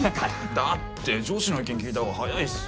だって女子の意見聞いた方が早いっすよ。